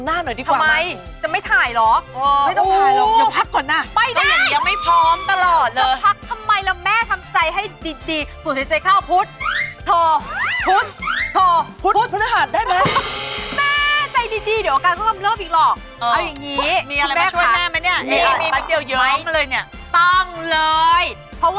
นี่ปาก็ไหลออกมาเห็นปะ